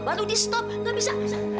baru di stop nggak bisa